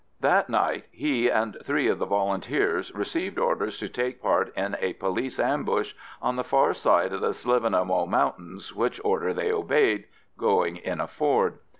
That night he and three of the Volunteers received orders to take part in a police ambush on the far side of the Slievenamoe Mountains, which order they obeyed, going in a Ford.